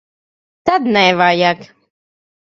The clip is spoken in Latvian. Tad nevajag.